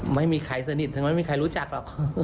ไม่มีใครสนิทถึงไม่มีใครรู้จักหรอก